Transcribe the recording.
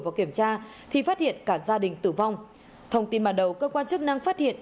vào kiểm tra thì phát hiện cả gia đình tử vong thông tin ban đầu cơ quan chức năng phát hiện